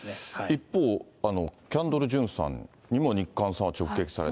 一方、キャンドル・ジュンさんにも日刊さんは直撃されて。